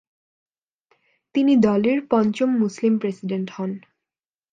তিনি দলের পঞ্চম মুসলিম প্রেসিডেন্ট হন।